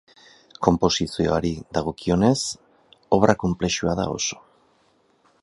Konposizioari dagokionez, obra konplexua da oso.